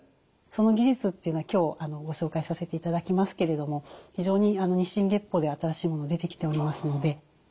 その技術というのを今日ご紹介させていただきますけれども非常に日進月歩で新しいもの出てきておりますので。